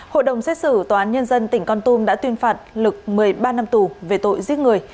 hội đồng xét xử tòa án nhân dân tỉnh con tum đã tuyên phạt lực một mươi ba năm tù về tội giết người